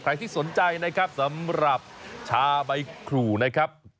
ที่สนใจนะครับสำหรับชาใบขู่นะครับ